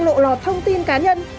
lộ lọt thông tin cá nhân